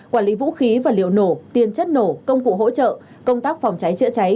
quản lý vũ khí và liệu nổ tiền chất nổ công cụ hỗ trợ công tác phòng cháy chữa cháy